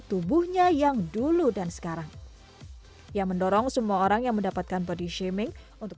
tubuhnya yang dulu dan sekarang ia mendorong semua orang yang mendapatkan body shaming untuk